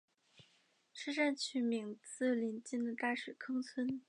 车站取名自邻近的大水坑村。